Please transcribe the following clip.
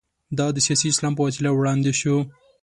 دا د سیاسي اسلام په وسیله وړاندې شو.